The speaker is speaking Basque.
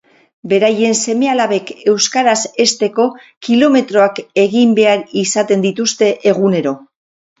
Beraien seme-alabek euskaraz hezteko kilometroak egin behar izaten dituzte egunero.